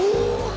masak apa ya itu